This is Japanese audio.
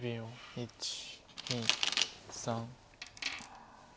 １２３。